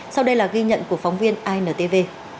sau đây là ghi nhận của phóng viên intv